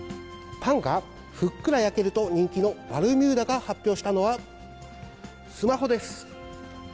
パンがふっくら焼けると人気のバルミューダが発表したのは、スマホです。